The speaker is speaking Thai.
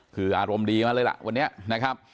คืออารมณ์ดีมาเลยล่ะวันนี้นะครับ